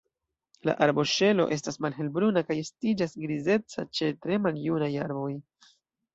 La arboŝelo estas malhelbruna kaj estiĝas grizeca ĉe tre maljunaj arboj.